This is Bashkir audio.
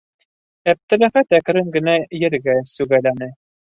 - Әптеләхәт әкрен генә ергә сүгәләне.